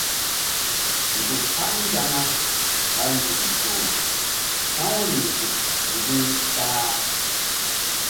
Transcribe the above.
Nzuk haŋ nzaŋa ɓa nzuk zoh ta̧w riŋ nzuk mgbi̧h ta-a.